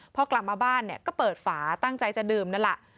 พอกลับมาบ้านเนี่ยก็เปิดฝาตั้งใจจะดื่มนั่นแหละ